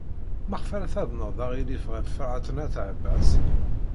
Maɣef ara taḍned aɣilif ɣef Ferḥat n At Ɛebbas?